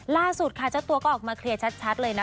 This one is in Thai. ล่าสุดชะตัวก็ออกมาเคลียร์ชัด